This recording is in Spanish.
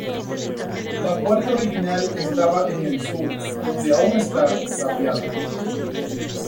La puerta original estaba en el sur, donde aún está, tapiada.